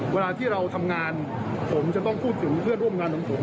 เวลาที่เราทำงานผมจะต้องพูดถึงเพื่อนร่วมงานของผม